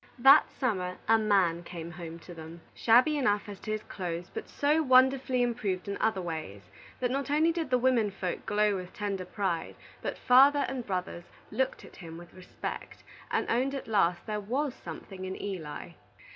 That summer, a man came home to them, shabby enough as to his clothes, but so wonderfully improved in other ways, that not only did the women folk glow with tender pride, but father and brothers looked at him with respect, and owned at last there was something in Eli.